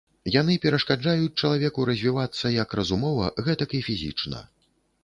Яны перашкаджаюць чалавеку развівацца як разумова, гэтак і фізічна.